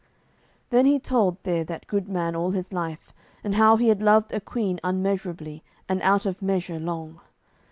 Then he told there that good man all his life, and how he had loved a queen unmeasurably, and out of measure long.